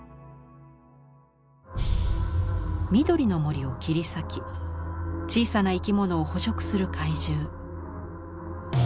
緑の森を切り裂き小さな生き物を捕食する怪獣。